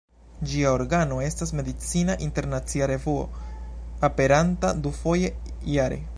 Ĝia organo estas "Medicina Internacia Revuo", aperanta dufoje jare.